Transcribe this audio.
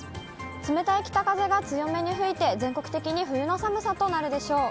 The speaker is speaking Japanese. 冷たい北風が強めに吹いて、全国的に冬の寒さとなるでしょう。